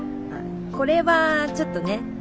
あっこれはちょっとね。